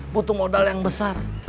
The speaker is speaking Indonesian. butuh modal yang besar